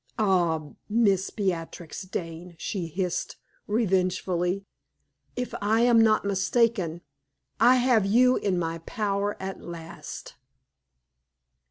"Ah, Miss Beatrix Dane!" she hissed, revengefully, "if I am not mistaken, I have you in my power at last!"